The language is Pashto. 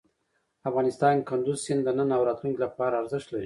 افغانستان کې کندز سیند د نن او راتلونکي لپاره ارزښت لري.